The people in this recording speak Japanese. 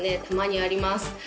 たまにあります